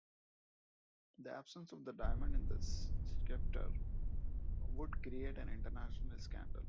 The absence of the diamond in the sceptre would create an international scandal.